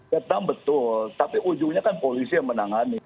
tetap betul tapi ujungnya kan polisi yang menangani